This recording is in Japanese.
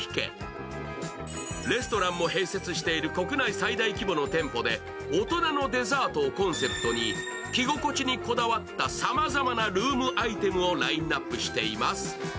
レストランも併設している国内最大規模の店舗で大人のデザートをコンセプトに着心地にこだわったさまざまなルームアイテムをラインナップしています。